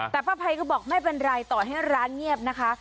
แต่ป้าภัยก็บอกไม่เป็นไรต่อให้ร้านเงียบนะคะ